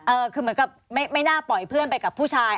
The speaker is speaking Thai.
คือเหมือนกับไม่น่าปล่อยเพื่อนไปกับผู้ชาย